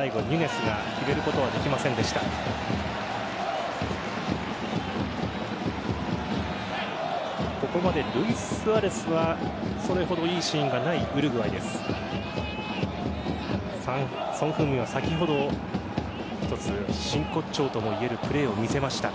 ソン・フンミンは先ほど一つ真骨頂ともいえるプレーを見せました。